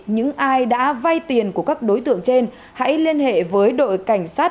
những ai đã vay tiền của các đối tượng trên hãy liên hệ với đội cảnh sát